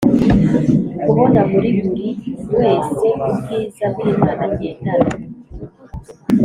kubona muri buri weseubwiza bw’imana agendana